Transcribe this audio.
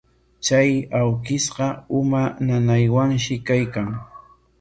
Chay awkishqa uma nanaywanshi kaykan.